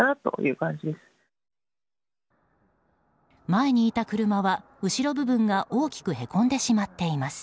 前にいた車は後ろ部分が大きくへこんでしまっています。